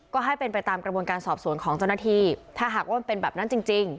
ก็ให้เป็นไปตามกระบวนการสอบสวนของเจ้าหน้าที่ถ้าหากว่ามันเป็นแบบนั้นจริง